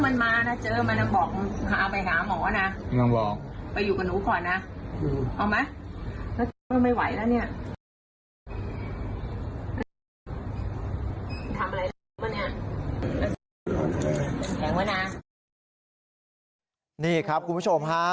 นี่ครับคุณผู้ชมฮะ